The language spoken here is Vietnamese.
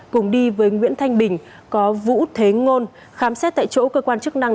cùng đi với nguyễn thanh bình có vũ thế ngôn khám xét tại chỗ cơ quan chức năng